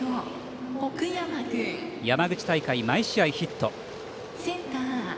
奥山、山口大会、毎試合ヒット。